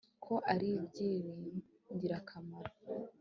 ko ari iby'ingirakamaro